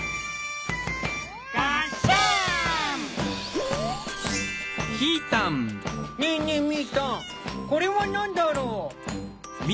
ねえねえみーたんこれはなんだろう？